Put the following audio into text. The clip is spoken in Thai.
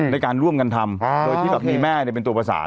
ในการร่วมกันทำโดยที่แบบมีแม่เป็นตัวประสาน